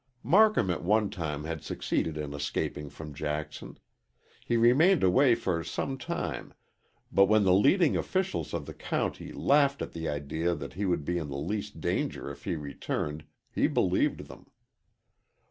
Marcum at one time had succeeded in escaping from Jackson. He remained away for some time. But when the leading officials of the county laughed at the idea that he would be in the least danger if he returned, he believed them.